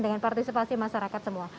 dengan partisipasi masyarakat semua